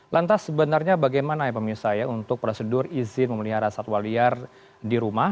lantas sebenarnya bagaimana ya pemirsa ya untuk prosedur izin memelihara satwa liar di rumah